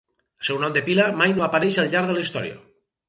El seu nom de pila mai no apareix al llarg de la història.